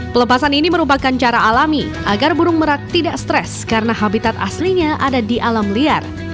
pelepasan ini merupakan cara alami agar burung merak tidak stres karena habitat aslinya ada di alam liar